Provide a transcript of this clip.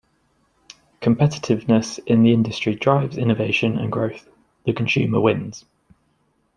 Competitiveness in the industry drives innovation and growth. The consumer wins.